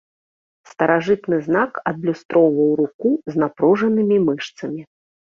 Старажытны знак адлюстроўваў руку з напружанымі мышцамі.